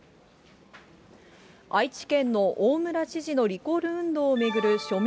愛知県の大村知事のリコール運動を巡る署名